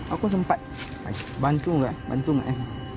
aku sempat bantu nggak bantu nggak ya